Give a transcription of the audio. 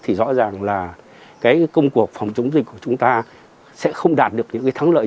thì rõ ràng là cái công cuộc phòng chống dịch của chúng ta sẽ không đạt được những cái thắng lợi